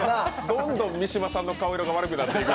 どんどん三島さんの顔色が悪くなっていく。